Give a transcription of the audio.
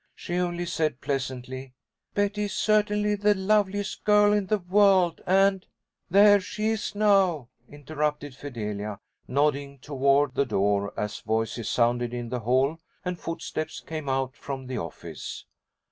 She only said, pleasantly, "Betty is certainly the loveliest girl in the world, and " "There she is now!" interrupted Fidelia, nodding toward the door as voices sounded in the hall and footsteps came out from the office.